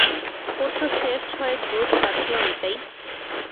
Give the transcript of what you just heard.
পরশু সের ছয়েক দুধ পাঠিও নিতাই।